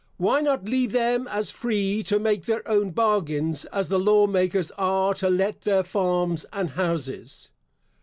Why not leave them as free to make their own bargains, as the law makers are to let their farms and houses?